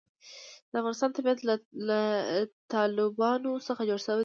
د افغانستان طبیعت له تالابونه څخه جوړ شوی دی.